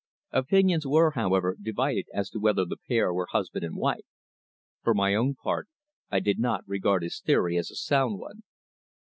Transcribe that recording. Opinions were, however, divided as to whether the pair were husband and wife. For my own part I did not regard his theory as a sound one.